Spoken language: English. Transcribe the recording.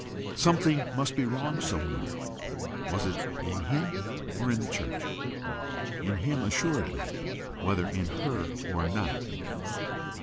Something must be wrong somewhere: was it in him or in the church? In him assuredly, whether in her or not.